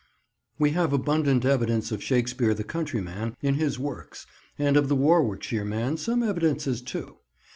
WE have abundant evidence of Shakespeare the countryman in his works, and of the Warwickshire man some evidences, too.